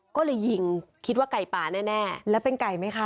ก็เลยยิงคิดว่าไก่ป่าแน่แล้วเป็นไก่ไหมคะ